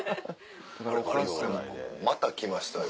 あら？また来ましたよ。